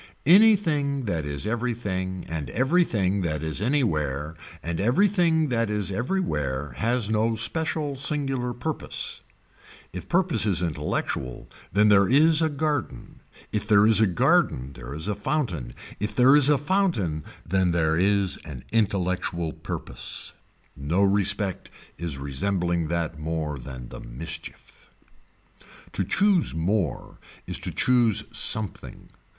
Anything that is everything and everything that is anywhere and everything that is everywhere has no special singular purpose. If purpose is intellectual then there is a garden, if there is a garden there is a fountain, if there is a fountain then there is an intellectual purpose. No respect is resembling that more than the mischief. To choose more is to choose something.